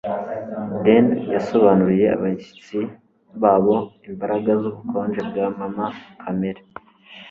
Dean yasobanuriye abashyitsi babo imbaraga zubukonje bwa Mama Kamere.